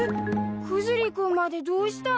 クズリ君までどうしたの？